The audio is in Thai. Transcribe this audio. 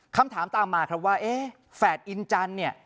คำถามตามมาครับว่าเอ๊ะแฝดอินจันทร์เนี่ย